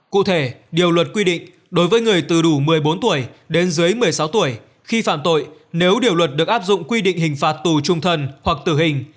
cụ thể điều luật quy định đối với người từ đủ một mươi bốn tuổi đến dưới một mươi sáu tuổi khi phạm tội nếu điều luật được áp dụng quy định hình phạt tù trung thân hoặc tử hình